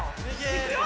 いくよ！